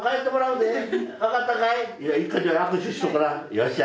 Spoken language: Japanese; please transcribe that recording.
よっしゃ。